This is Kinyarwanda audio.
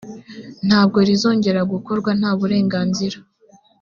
ntabwo rizongera gukorwa ntaburenganzira